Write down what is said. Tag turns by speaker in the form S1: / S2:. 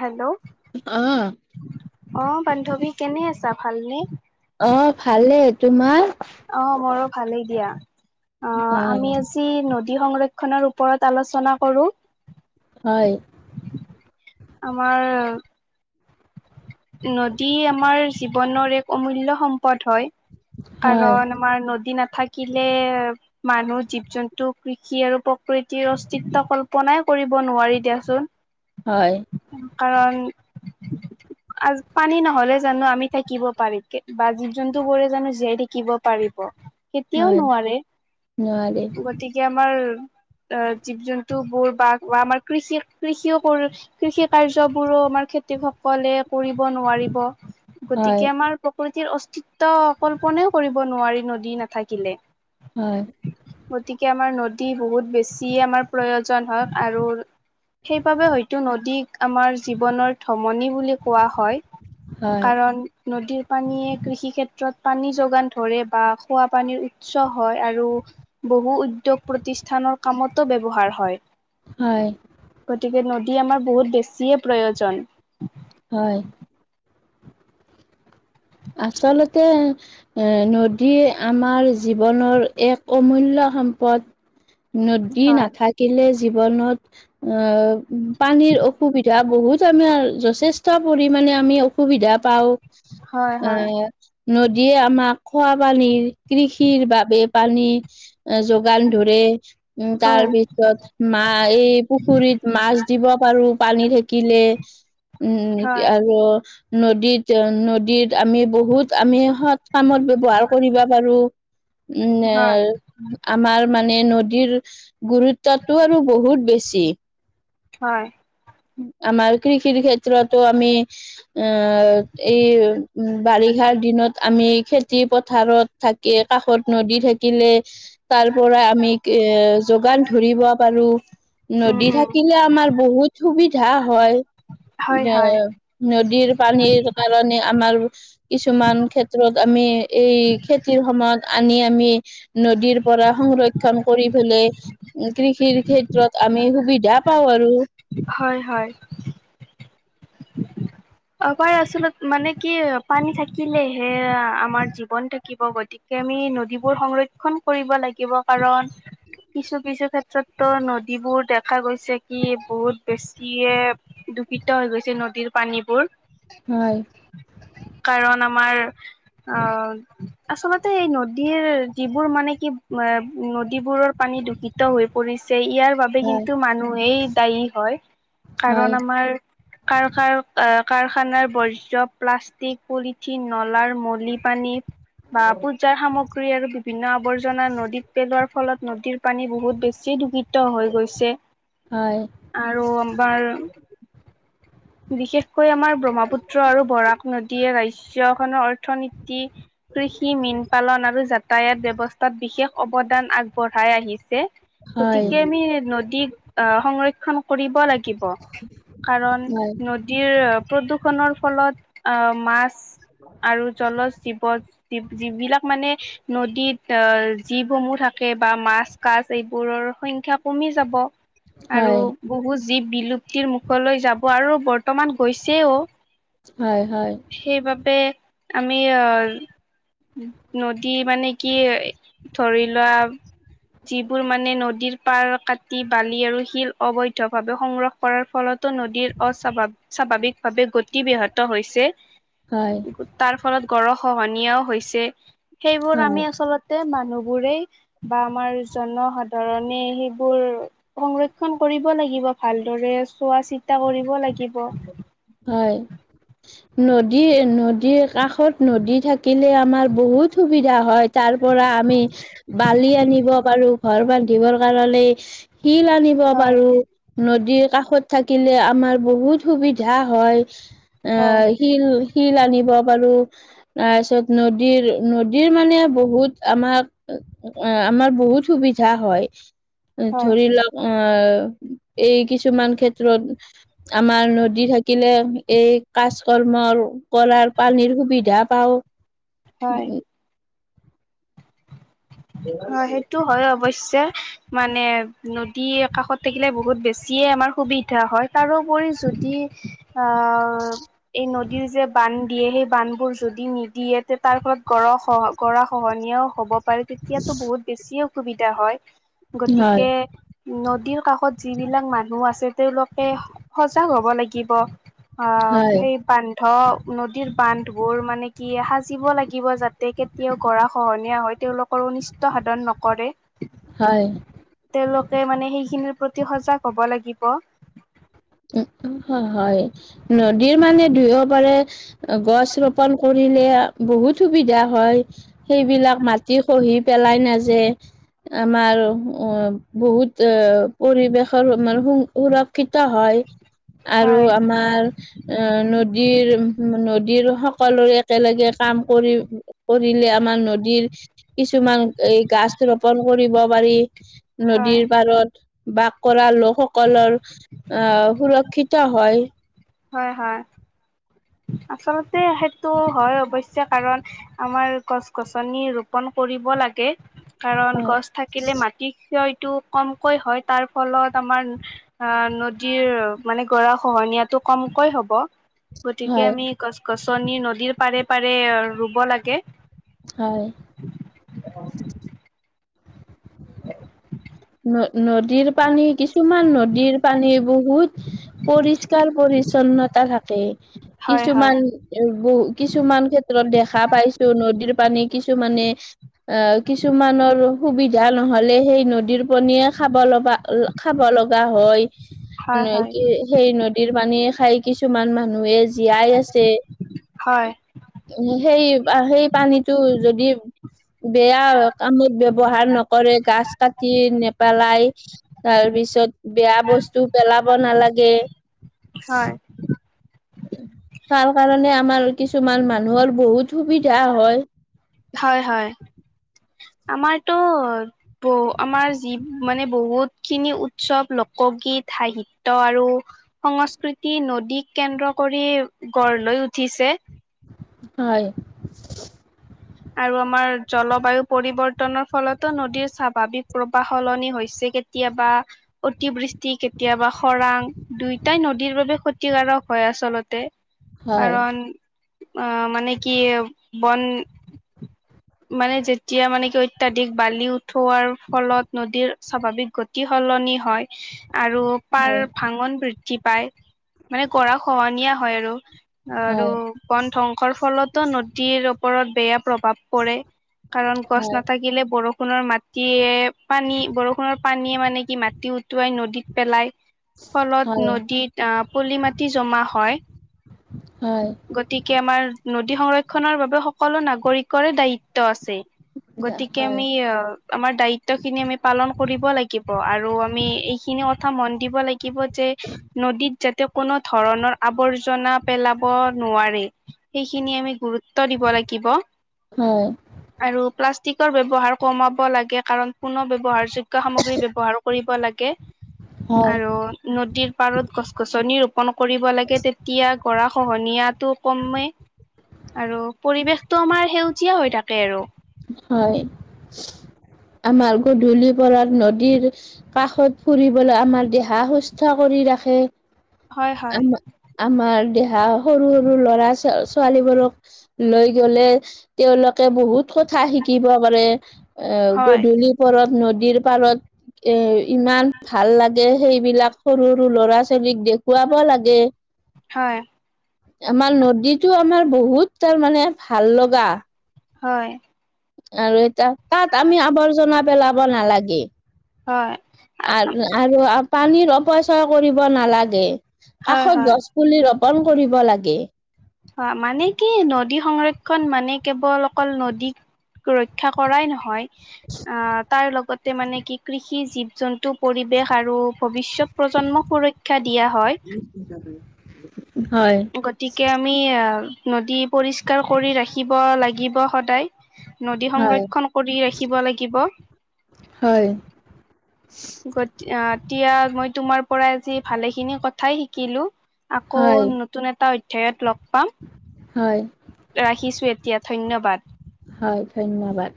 S1: Hello
S2: অ',
S1: আহ বান্ধৱী কেনে আছা ভালনে?
S2: অ', ভালেই তোমাৰ?
S1: অ মোৰো ভালেই দিয়া অ আমি
S2: অ',
S1: আজি সংৰক্ষণৰ ওপৰত আলোচনা কৰোঁ।
S2: হয়,
S1: আমাৰ নদী আমাৰ জীৱনৰ এক অমূল্য সম্প পদ হয়
S2: হয়,
S1: কাৰণ আমাৰ নদী নাথাকিলে মানুহ জীৱ জন্তু কৃষি আৰু প্ৰকৃতিৰ অস্তিত্ব কল্পনাই কৰিব নোৱাৰি দিয়াচোন।
S2: হয়
S1: কাৰণ পানী নহলে জানো আমি থাকিব পাৰি বা জীৱ জন্তু বোৰে জানো জীয়াই থাকিব পাৰিব কেতিয়াও
S2: হয়,
S1: নোৱাৰে
S2: নোৱাৰি
S1: গতিকে আমাৰ অ জীৱ জন্তু বোৰ বা বা আমাৰ কৃষি কৃষিও কৰো কৃষি কাৰ্যবোৰো খেতিক সকলে কৰিব নোৱাৰ
S2: হয়,
S1: গতিকে আমাৰ প্ৰকৃতি তো কল্পনাও কৰিব নোৱাৰি নদী নাথাকিলে
S2: হয়,
S1: গতিকে আমাৰ নদ দি বহুত বেছি আমাৰ প্ৰয়োজন হয় আৰু সেইবাবে হয়তো নদীক আমাৰ জীৱনৰ থগ মণি বুলি কোৱা হয়
S2: হয়,
S1: কাৰণ নদীৰ পানীয়ে কৃষি ক্ষেত্ৰত পানী যোগান ধৰে বা খোৱা পানীৰ উচ্চ হয় আৰু বহু উদ্যোগ প্ৰতিষ্ঠানৰ কামতো ব্যৱহাৰ হয়
S2: হয়
S1: গতিকে নদী আমাৰ বহুত বেছিয়ে প্ৰয়োজন
S2: হয় আচলতে এ নদী আমাৰ জীৱনৰ এক অমূল্য সম্পদ
S1: [inaudible]
S2: নদী
S1: হয়,
S2: নাথাকিলে জীৱনত অ পানীৰ অসুবিধা বহুত আমাৰ যথেষ্ট পৰিমণে আমি অসুবিধা পাও
S1: হয় হয়
S2: নদীয়ে আমাক খোৱা পানীৰ কৃষিৰ বাবে পানী যোগান ধৰে উম তাৰ
S1: হয়।
S2: পিছত মা এই পুখুৰীত মাছ দিব পাৰো পানী থাকিলে উম
S1: হয়,
S2: আৰু নদীত নদীত আমি বহুত আমি সৎ কামত ব্যৱহাৰ কৰিব পাৰোঁ
S1: হয়,
S2: উম আমাৰ মানে নদীৰ গুৰুত্বটো আৰু বহুত বেছি
S1: হয়
S2: আমাৰ কৃষিৰ ক্ষেত্ৰতো আমি আ এই বাৰিষা ষাৰ দিনত আমি খেতি পথাৰত থাকি কাষত নদী থাকিলে তাৰ পৰাই আমি এ যোগান ধৰিব পাৰোঁ
S1: উম,
S2: নদী
S1: উম,
S2: থাকিলে আমাৰ বহুত সুবিধা হয়
S1: হয়,
S2: এ
S1: হয়,
S2: নদীৰ পানীৰ কাৰণে আমাৰ কিছুমান ক্ষেত্ৰত আমি এই খেতিৰ সময়ত আনি আমি নদীৰ পৰা সংৰক্ষণ কৰি পেলে কৃষিৰ ক্ষেত্ৰত আমি সুবিধা পাওঁ আৰু
S1: হয় হয় আপাৰ আচলত মানে কি পানী থাকিলেহে আমাৰ জীৱন থাকিব গতিকে আমি নদীবোৰ সংৰক্ষণ কৰিব লাগিব কাৰণ কিছু কিছু ক্ষেত্ ত নদীবোৰ দেখা গৈছে কি বহুত বেছি, [unintelligible] দূষিত হৈ গৈছে নদীৰ পানীবোৰ।
S2: হয়
S1: কাৰণ আমাৰ, অ আচলতে এই নদীৰ যিবোৰ মানে কি নদীবোৰৰ, পানী দূষিত হৈ পৰিছে ইয়াৰ বাবে
S2: হয়।
S1: কিন্তু মানুহেই দায়ী হয়। কাৰণ
S2: হয়,
S1: আমাৰ কাৰ কাৰ অ, কাৰখানাৰ বৰ্জ প্লাষ্টিক পলিথিন নলাৰ মলি পানী। বা পূজাৰ সামগ্ৰী আৰু বিভিন্ন আৱৰ্জনা নদীত পেলোৱাৰ ফলত নদীৰ পানী বহুত বেছি দূষিত হৈ গৈছে,
S2: হয়,
S1: আৰু আমাৰ বিশেষকৈ আমাৰ ব্ৰহ্মপুত্ৰ আৰু বৰাক নদীয়ে ৰাজ্যখনৰ অৰ্থনীতি কৃষি মীন পালন আৰু যাতায়াত ব্যৱস্থাত বিশেষ অৱদান আগবঢ়াই আহিছে।
S2: হয়,
S1: গতিকে আমি নদীক আহ, সংৰক্ষন কৰিব লাগিব। কাৰণ
S2: হয়,
S1: নদীৰ প্ৰদূষণৰ ফলত, আহ, মাছ আৰু জল জীৱ যি-যিবিলাক মানে নদীত জীৱসমূহ থাকে বা মাছ কাছ এইবোৰৰ সংখ্যা কমি যাব। আৰু
S2: হয়,
S1: বহুত জীৱ বিলুপ্তিৰ মুখলৈ যাব আৰু বৰ্তমান গৈছেও,
S2: হয়, হয়।
S1: সেইবাবে আমি অ', নদী মানে কি, ধৰি লোৱা যিবোৰ মানে নদীৰ পাৰ কাটি বালি আৰু শিল অবৈধ ভাৱে সংগ্ৰহ কৰাৰ ফলত টো নদীৰ [unintelligible] স্বাভাৱ স্বাভাৱিকভাৱে গতিবাহত হৈছে,
S2: হয়,
S1: তাৰ ফলত গৰ খহনীয়াও হৈছে, সেইবোৰ
S2: হয়,
S1: আমি আচলতে মানুহ বোৰেই বা আমাৰ জনসাধাৰণে সেইবোৰ সংৰক্ষন কৰিব লাগিব ভালদৰে, চোৱা চিতা কৰিব লাগি
S2: হয়। নদী নদীৰ কাষত নদী থাকিলে আমাৰ বহুত সুবিধা হয় তাৰ পৰা আমি বালি আনিব পাৰো ঘৰ বান্ধিবৰ কাৰণে। শিল আনিব
S1: হয়
S2: পাৰো, নদীৰ কাষত থাকিলে আমাৰ বহুত সুবিধা হয়,
S1: হয়
S2: আহ, শিল-শিল আনিব পাৰো। তাৰপিছত নদীৰ নদীৰ মানে বহুত আমাক, অ', আমাৰ বহু বহুত সুবিধা হয়।
S1: হয়
S2: ধৰি লও, আহ, এই কিছুমান ক্ষেত্ৰত আমাৰ নদী থাকিলে এই কাজ কৰ্ম কৰাৰ পানীৰ সুবিধা পাও।
S1: হয়। অ', সেইটো হয় অৱশ্যে মানে ন [unintelligible] আকাশত থাকিলে বহুত বেছিয়ে আমাৰ সুবিধা হয় তাৰোপৰি যদি অ', এই নদীৰ যে বান্ধ দিয়ে সেই বান্ধবোৰ যদি নিদিয়ে, তে তাৰ ফলত গৰ সহ, গৰা খহনীয়াও হ'ব পাৰে। এতিয়াতো বহুত বেছিয়ে অসুবিধা হয়,
S2: হয়
S1: গতিকে নদীৰ কাষত যিবিলাক মানুহ আছে, তেওঁলোকে সজাগ হব লাগিব। অ',
S2: হয়
S1: সেই বান্ধ নদীৰ বান্ধবোৰ মানে কি সাজিব লাগিব যাতে কেতিয়াও গৰা খহনীয়া হৈ তেওঁলোকৰ অনিষ্ট সাধন নকৰে।
S2: হয়।
S1: হে মানে সেইখিনিৰ প্ৰতি সজাগ হ'ব লাগিব।
S2: হ-হয়, নদীৰ মানে দুয়ো পাৰে গছ ৰোপন কৰি [unintelligible] বহুত সুবিধা হয়, সেইবিলাক মাটি খহি পেলাই নাযে আমাৰ অ', বহুত অ', পৰিৱেশৰ মান সুৰক্ষিত হয়। আৰু
S1: হয়
S2: আমাৰ অ', নদীৰ, নদীৰ সকলোৰে একেলগে কাম কৰি, কৰিলে আমাৰ নদীৰ, কিছুমান এই গাছ ৰোপন কৰিব পাৰি।
S1: হয়
S2: নদীৰ পাৰত বাস কৰা লোকসকলৰ আহ, সুৰক্ষিত হয়।
S1: হয় হয়। আচলতে সেইটো হয় অৱশ্যে কাৰণ, আমাৰ গছ-গছনি ৰোপন কৰি ব লাগে, কাৰণ
S2: হয়
S1: গছ থাকিলে মাটি ক্ষয় টো কমকৈ হয়, তাৰ ফলত আমাৰ, আ', নদীৰ মানে গৰা খহনীয়াটো কমকৈ হ'ব। তাকে
S2: হয়
S1: আমি গছ-গছনি নদীৰ পাৰে পাৰে ৰুব লাগে।
S2: হয়।
S1: [inaudible]
S2: ন নদীৰ পানী, কিছুমান নদীৰ পানী বহুত, পৰিষ্কাৰ পৰিচ্ছন্নতা থাকে,
S1: হয় হয়
S2: কিছুমান বহু কিছুমান ক্ষেত্ৰত দেখা পাইচো টো নদীৰ পানী কিছুমানে অ কিছুমানৰ, সুবিধা নহলে, সেই নদীৰ পনীয়ে খাব লগ বা খাব লগা হয়,
S1: হয় হয়
S2: কি সেই নদীৰ পানীয়ে খাই, কিছুমান মানুহে জীয়াই আছে,
S1: হয়
S2: সেই সেই পানীতটো যদি, বেয়া কামত ব্যৱহাৰ নক কৰে গাছ কাটি নেপেলাই, তাৰ পিছত বেয়া বস্তু পেলাব নালা গে।
S1: হয়।
S2: তাৰ কাৰণে আমাৰ কিছুমান মানুহৰ বহুত সুবিধা হয়।
S1: হয় হয়। আমাৰতো ব আমাৰ যি মানে বহুতখিনি উৎসৱ লোকগীত, সাহিত্য আৰু সংস্কৃতি নদীক কেন্দ্ৰ কৰি গঢ় লৈ উঠিছে। হে,
S2: হয়।
S1: আৰু আমাৰ জলবায়ু পৰিৱৰ্তনৰ ফলতো নদীৰ স্বাভাৱিক প্ৰৱাহ সলনি হৈছে। কেতিয়াবা অতিবৃষ্টি কেতিয়াবা খৰাং দুয়টাই নদীৰ বাবে ক্ষতিকাৰক। হয় আচলতে,
S2: হয়
S1: কাৰণ, আহ মানে কি বন মানে যেতিয়া মানে কি অত্যাধিক বালি উঠোৱাৰ ফলত নদীৰ স্বাভাৱিক গতি সল নি হয়, আৰু পাৰ ভাঙন বৃদ্ধি পায় মানে গৰা খহনীয়া হয় আৰু, আৰু
S2: হয়
S1: বন ধং সৰ ফলতো নদীৰ ওপৰত বেয়া প্ৰভাৱ পৰে। কাৰণ গছ
S2: হয়
S1: নাথাকিলে বৰষুণৰ মাটিয়ে পানী বৰষুণৰ পানীয়ে মানে নেকি মাটি উটুৱাই নদীত পেলাই।
S2: হয়
S1: ফলত নদীত আহ পলি মাটি জমা হয়।
S2: হয় হয়
S1: গতিকে আমাৰ নদ দি সংৰক্ষণৰ বাবে সকলো নাগৰিকৰে দায়িত্ব আছে। গতিকে
S2: হয়
S1: আমি আমাৰ দায়িত্বখিনি আমি পালন কৰিব লাগিব আৰু আমি এই খিনি কথা মন দিব লাগিব যে, নদীত যাতে কোনো ধৰণৰ আৱৰ্জনা পেলাব নোৱাৰে, সেইখিনি আমি গুৰুত্ব দিব লাগিব।
S2: হয়
S1: আৰু প্লাচ টিকৰ ব্যৱহাৰ কমাব লাগে কাৰণ পুনৰ ব্যৱহাৰযোগ্য সামগ্ৰী ব্যৱহাৰ কৰিব লাগে।
S2: হয়,
S1: আৰু নদীৰ পাৰত গছ-গছনি ৰোপন কৰিব লাগে তেতিয়া গৰা খহনীয়াতো কমেই আৰু পৰিৱেশটো আমাৰ সেউজীয়া হৈ থাকে আৰু।
S2: হয়। আমাৰ গধূলি পৰাত নদীৰ কাষত ফুৰিবলৈ আমাৰ দেহা সুস্থ কৰি টি ৰাখে,
S1: হয় হয়
S2: আমা-আমাৰ দেহ হা, সৰু-সৰু ল'ৰা ছ-ছোৱালীবোৰক লৈ গলে তেওঁলোকে বহুত কথা শিকিব পাৰে এ,
S1: হয়
S2: গধূলি পৰত নদীৰ পাৰত এ, ইমান ভাল লাগে সেইবিলাক সৰু-সৰু ল'ৰা ছোৱালীক দেখুৱাব লাগে।
S1: হয়।
S2: আমাৰ নদীটো আমাৰ, বহুত তাৰমানে ভাল লগা।
S1: হয়।
S2: আৰু এটা, তাত আমি আৱৰ্জনা পেলাব নালাগে।
S1: হয়,
S2: আ, আৰু আমাৰ পানীৰ অপচয় কৰিব নালাগে,
S1: হয়,
S2: কাষত
S1: হয়,
S2: গছ পুলি ৰ পন কৰিব লাগে।
S1: হয়, মানে কি, নদী সংৰক্ষণ মানে কেৱল অকল নদী সুৰক্ষা কৰাই নহয়। আ, তাৰ লগতে মানে কি কৃষি জীৱ জন্তু পৰিৱেশ আৰু ভৱিষ্যত প্ৰজন্মক সুৰক্ষা দিয়া হয়।
S2: [inaudible]
S1: গতিকে আমি আ, নদী পৰিষ্কাৰ কৰি ৰাখিব লাগিব সদায়। নদী
S2: হয়,
S1: সংৰক্ষণ কৰি ৰাখিব লাগিব।
S2: হয়,
S1: গ আ এতিয়া মই তোমাৰ পৰাই আজি ভালেখিনি কথাই শিকিলো। আকৌ
S2: হয়,
S1: নতুন এটা অধ্যায়ত লগ পাম।
S2: হয়।
S1: ৰাখিছো এতিয়া, ধন্যবাদ।
S2: হয়, ধন্যবাদ।